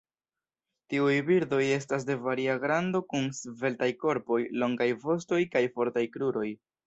Tiuj birdoj estas de varia grando kun sveltaj korpoj, longaj vostoj kaj fortaj kruroj.